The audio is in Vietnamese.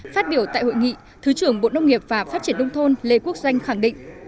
phát biểu tại hội nghị thứ trưởng bộ nông nghiệp và phát triển đông thôn lê quốc doanh khẳng định